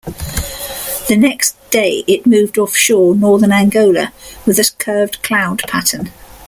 The next day it moved offshore northern Angola with a curved cloud pattern.